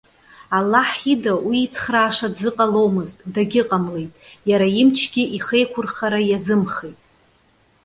Аллаҳ ида уи ицхрааша дзыҟаломызт, дагьыҟамлеит, иара имчгьы ихеиқәырхара иазымхеит.